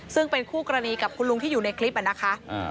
ซึ่งเป็นคู่กรณีกับคุณลุงที่อยู่ในคลิปนะคะ